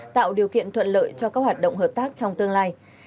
tạo điều kiện thuận lợi cho các hoạt động hợp tác trong tương lai